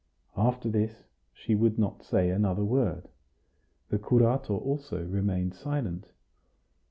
After this she would not say another word. The curato also remained silent.